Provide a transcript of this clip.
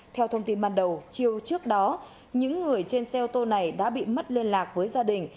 theo thông tin ban đầu chiều trước đó những người trên xe ô tô này đã bị mất liên lạc với gia đình